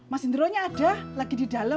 mas indro nya ada lagi di dalam